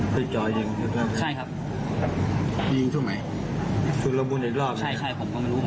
ไปจอยอย่างนี้ครับใช่ครับยิงช่วงไหมสุดระบุนอีกรอบใช่ใช่ผมก็ไม่รู้